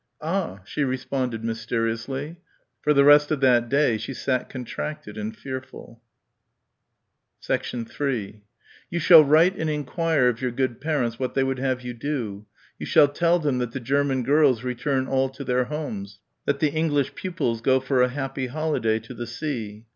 "Ah!" she responded mysteriously. For the rest of that day she sat contracted and fearful. 3 "You shall write and enquire of your good parents what they would have you do. You shall tell them that the German pupils return all to their homes; that the English pupils go for a happy holiday to the sea."